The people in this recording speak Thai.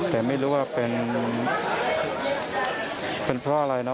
แต่ไม่รู้ว่าเป็นเพราะอะไรเนอ